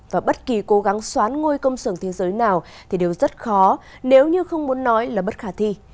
và bất kỳ cố gắng xoán ngôi công sưởng thế giới nào thì đều rất khó nếu như không muốn nói là bất khả thi